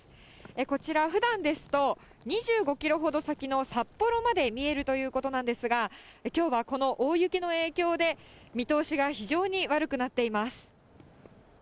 こちら、ふだんですと２５キロほど先の札幌まで見えるということなんですが、きょうはこの大雪の影響で見通しが非常に悪くなっています。